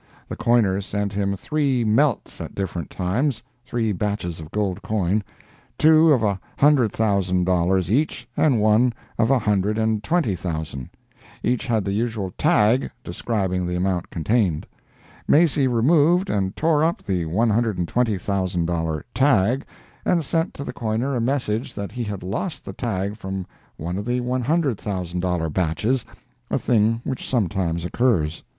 The coiner sent him three "melts" at different times—three batches of gold coin—two of a hundred thousand dollars each and one of a hundred and twenty thousand. Each had the usual "tag," describing the amount contained. Macy removed and tore up the $120,000 "tag," and sent to the coiner a message that he had lost the tag from one of the $100,000 batches—a thing which sometimes occurs.